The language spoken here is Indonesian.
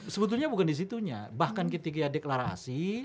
sebetulnya bukan disitunya bahkan ketika dia deklarasi